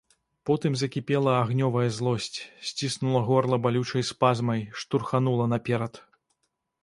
Потым закіпела агнёвая злосць, сціснула горла балючай спазмай, штурханула наперад.